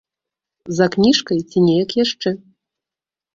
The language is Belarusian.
За кніжкай ці неяк яшчэ.